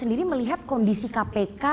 sendiri melihat kondisi kpk